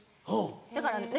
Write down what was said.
だからね